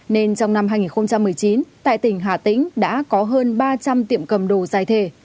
nên trong năm hai nghìn một mươi chín tại tỉnh hạ tĩnh đã có hơn ba trăm linh tiệm cầm đô dài thể